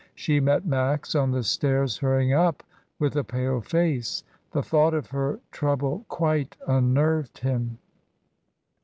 She met Max on the stairs hurrying up with a pale face; the thought of her trouble quite unnerved him.